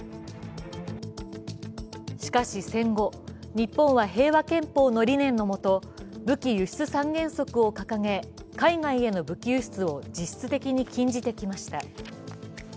しかし、戦後、日本は平和憲法の理念の下武器輸出三原則を掲げ海外への武器輸出を実質的に禁じてきました。